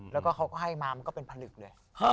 แล้วก็เขาก็ให้มามันก็เป็นผลึกเลย